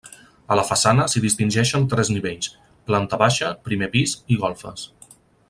A la façana s'hi distingeixen tres nivells: planta baixa, primer pis i golfes.